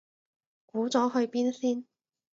估咗去邊先